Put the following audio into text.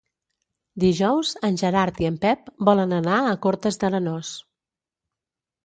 Dijous en Gerard i en Pep volen anar a Cortes d'Arenós.